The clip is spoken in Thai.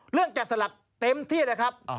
เรื่องแกะสลักเต็มที่เลยครับ